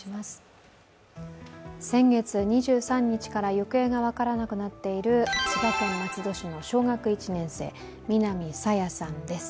先月２３日から行方が分からなくなっている千葉県松戸市の小学１年生南朝芽さんです。